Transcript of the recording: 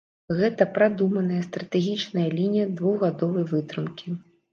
Гэта прадуманая стратэгічная лінія двухгадовай вытрымкі.